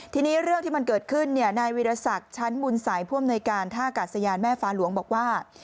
ทีนี้เรื่องที่มันเกิดขึ้นในวิทยาศักดิ์ชั้นมุนสายพ่วนในการท่ากาศยานแม่ฟ้าหลวงบอกว่า